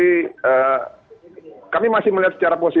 jadi kami masih melihat secara pemeriksaan